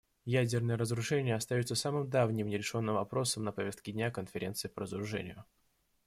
Ядерное разоружение остается самым давним нерешенным вопросом на повестке дня Конференции по разоружению.